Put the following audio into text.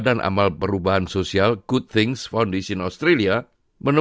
dua perusahaan yang berada di sekitar australia ini